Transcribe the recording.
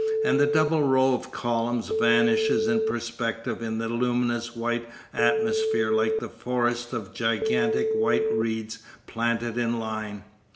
And the double row of columns vanishes in perspective in the luminous white atmosphere like a forest of gigantic white reeds planted in line.